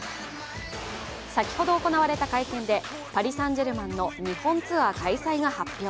先ほど行われた会見でパリ・サンジェルマンの日本ツアー開催が発表。